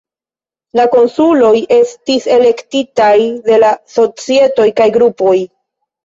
La konsuloj estis elektitaj de la societoj kaj grupoj.